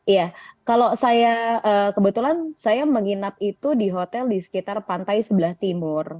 iya kalau saya kebetulan saya menginap itu di hotel di sekitar pantai sebelah timur